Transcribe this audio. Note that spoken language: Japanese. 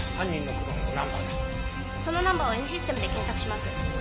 そのナンバーをＮシステムで検索します。